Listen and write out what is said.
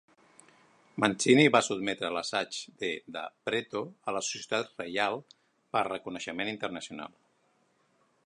Mancini va sotmetre l'assaig de De Pretto a la Societat Reial per reconeixement internacional.